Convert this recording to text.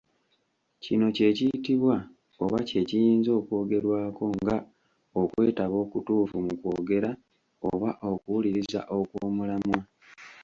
Kino kye kiyitibwa oba kye kiyinza okwogerwako nga okwetaba okutuufu mu kwogera, oba okuwuliriza okw'omulamwa.